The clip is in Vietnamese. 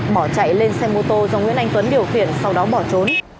bỏ chạy lên xe mô tô do nguyễn anh tuấn điều khiển sau đó bỏ trốn